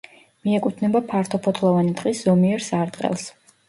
მიეკუთვნება ფართოფოთლოვანი ტყის ზომიერ სარტყელს.